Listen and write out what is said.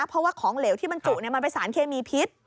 เพราะว่าของเหลวที่บรรจุมันเป็นสารเคมีพิษ